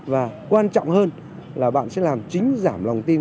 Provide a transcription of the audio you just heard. và quan trọng hơn là bạn sẽ làm chính giảm lòng tin